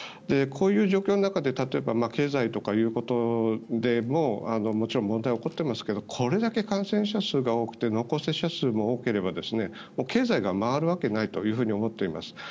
こういう状況の中で例えば、経済ということでももちろん問題が起こってますけどこれだけ感染者数が多くて濃厚接触者数も多ければ経済が回るわけないと思っています。